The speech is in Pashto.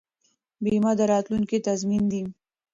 بیمه د راتلونکي تضمین دی.